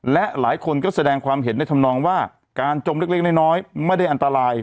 และหลายคนก็แสดงความเห็นในธรรมนองว่าการจมเล็กน้อยไม่ได้อันตราย